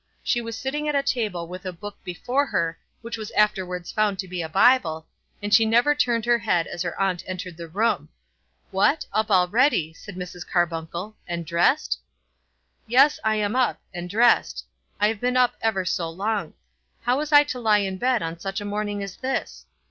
She was sitting at a table with a book before her, which was afterwards found to be the Bible, and she never turned her head as her aunt entered the room. "What, up already," said Mrs. Carbuncle, "and dressed?" "Yes; I am up, and dressed. I have been up ever so long. How was I to lie in bed on such a morning as this?